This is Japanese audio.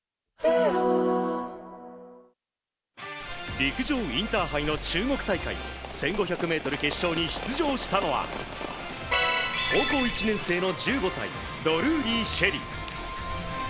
陸上インターハイの注目大会１５００ｍ決勝に出場したのは高校１年生の１５歳ドルーリー朱瑛里。